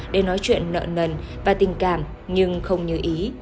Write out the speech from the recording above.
để nói chuyện nợ nần và tình cảm nhưng không như ý